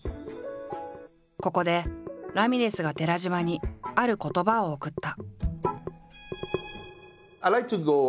ここでラミレスが寺島にある言葉を贈った。